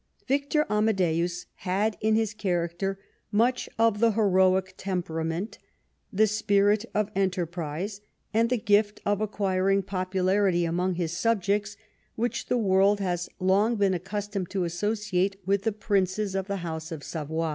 Victor Amadeus had in his character much of the heroic temperament, the spirit of enterprise, and the gift of acquiring popu larity among his subjects which the world has long been accustomed to associate with the princes of the house of Savoy.